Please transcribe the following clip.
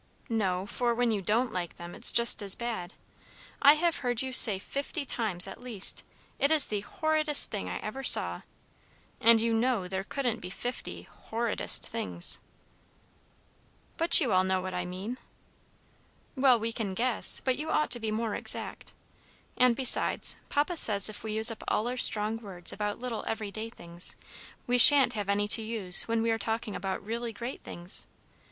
"No, for when you don't like them, it's just as bad. I have heard you say fifty times, at least, 'It is the horridest thing I ever saw,' and you know there couldn't be fifty 'horridest' things." "But you all know what I mean." "Well, we can guess, but you ought to be more exact. And, besides, Papa says if we use up all our strong words about little every day things, we sha'n't have any to use when we are talking about really great things.